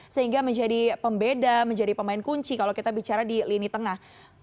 sehingga menjadi pembeda menjadi pemain kunci kalau kita bicara di lini tengah